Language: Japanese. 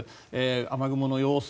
雨雲の様子